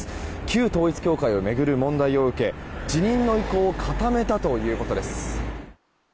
旧統一教会を巡る問題を受け辞任の意向を固めたということです。